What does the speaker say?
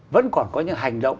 vẫn còn có những hành động